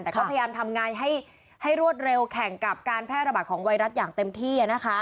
แต่ก็พยายามทำงานให้รวดเร็วแข่งกับการแพร่ระบาดของไวรัสอย่างเต็มที่นะคะ